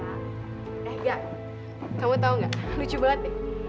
eh gak kamu tau gak lucu banget nih